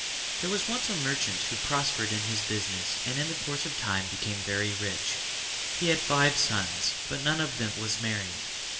There was once a merchant who prospered in his business and in the course of time became very rich. He had five sons but none of them was married.